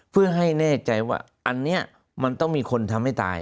เพื่อให้แน่ใจว่าอันนี้มันต้องมีคนทำให้ตาย